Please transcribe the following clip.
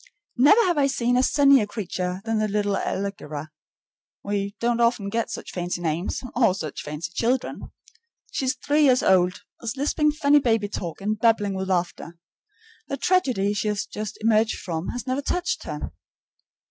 Never have I seen a sunnier creature than the little Allegra (we don't often get such fancy names or such fancy children). She is three years old, is lisping funny baby talk and bubbling with laughter. The tragedy she has just emerged from has never touched her.